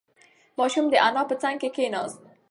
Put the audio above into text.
ماشوم د انا په څنگ کې کېناست.